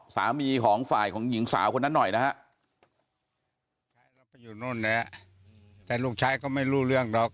เขามีเพื่อนหรือมีน้องชื่อกันออกมาไหมพ่อ